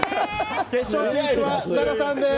決勝進出は設楽さんです。